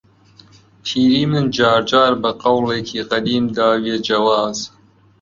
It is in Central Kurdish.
پیری من جار جار بە قەولێکی قەدیم داویە جەواز